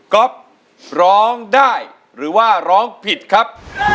๊อฟร้องได้หรือว่าร้องผิดครับ